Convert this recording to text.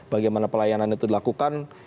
bagaimana pelayanan itu dilakukan